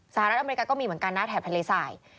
สหรัฐอเมริกาก็มีเหมือนกันนะแถบทะเลสาย